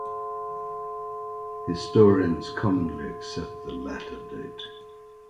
Historians commonly accept the latter date.